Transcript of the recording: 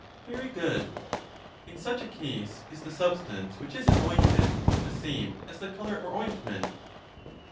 Very good. In such a case, is the substance which is anointed the same as the color or ointment?